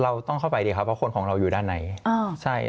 เราต้องเข้าไปดีครับเพราะคนของเราอยู่ด้านในอ่าใช่